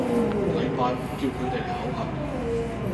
禮拜五叫佢地嚟考核